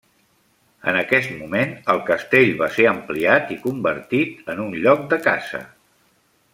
En aquest moment, el castell va ser ampliat i convertit en un lloc de caça.